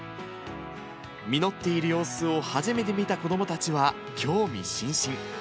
実っている様子を初めて見た子どもたちは興味津々。